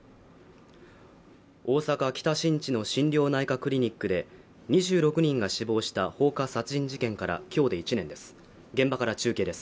大阪・北新地の心療内科クリニックで２６人が死亡した放火殺人事件からきょうで１年です